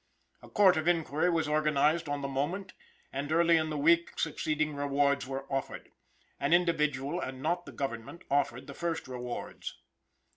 A court of inquiry was organized on the moment, and early in the week succeeding rewards were offered. An individual, and not the government, offered the first rewards.